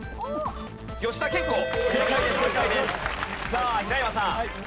さあ平岩さん。